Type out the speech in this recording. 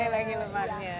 iya bali lagi lemaknya